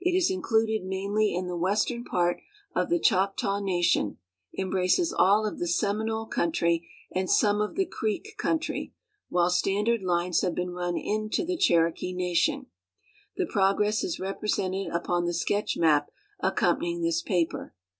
It is included inainly in the western part of the Choctaw nation, embraces all of the Seminole country and some of the Creek country, while standard lines have been run into the Cln'rokcc nation. The i>rogrc.ss is represented upon the sketch map accompanying this paper.